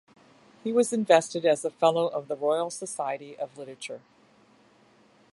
He was invested as a Fellow of the Royal Society of Literature.